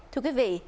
thưa quý vị